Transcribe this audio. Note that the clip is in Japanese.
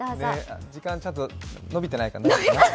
時間ちゃんとのびてないかな。